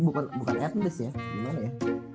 bukan at least ya gimana ya